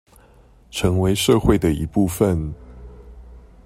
成為社會的一部分